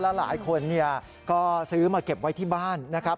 หลายคนก็ซื้อมาเก็บไว้ที่บ้านนะครับ